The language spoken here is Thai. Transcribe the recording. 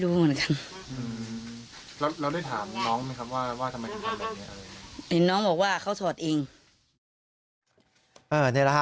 กับคุณตาและคุณยายของเธอเนี่ย